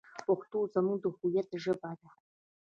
پښتو زموږ د هویت ژبه ده.